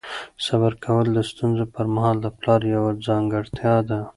صبر کول د ستونزو پر مهال د پلار یوه ځانګړتیا ده.